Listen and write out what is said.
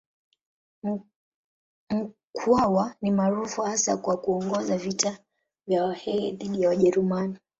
Mkwawa ni maarufu hasa kwa kuongoza vita vya Wahehe dhidi ya Wajerumani.